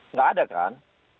nggak ada kan